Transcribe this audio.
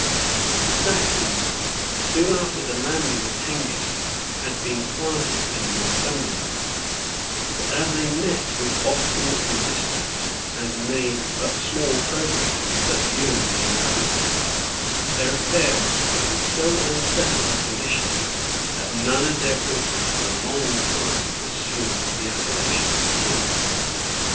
] The Saxons, soon after the landing of Hengist, had been planted in Northumberland; but as they met with an obstinate resistance, and made but small progress in subduing the inhabitants, their affairs were in so unsettled a condition, that none of their princes for a long time assumed the appellation of king.